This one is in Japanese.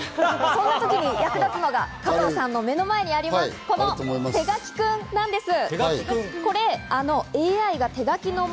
そんな時に役立つのが加藤さんの目の前にあるのが手書きくんなんです。